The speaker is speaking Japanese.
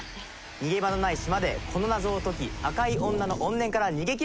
逃げ場のない島でこの謎を解き赤い女の怨念から逃げ切れるのか？